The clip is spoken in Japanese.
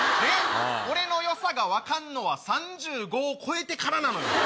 俺の良さが分かるのは３５超えてからなのよ。